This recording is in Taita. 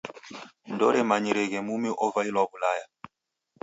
Ndooremanyireghe mumi ovailwa W'ulaya.